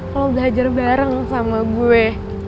kalau belajar bareng sama gue